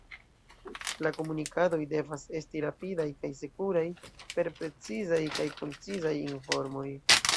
La komunikadoj devas esti rapidaj kaj sekuraj per precizaj kaj koncizaj informoj.